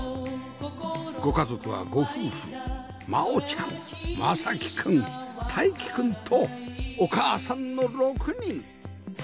ご家族はご夫婦真央ちゃん将生くん泰生くんとお母さんの６人